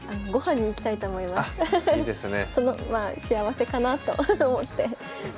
まあ幸せかなと思って。